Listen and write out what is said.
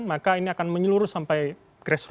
maka ini akan menyeluruh sampai krisis begitu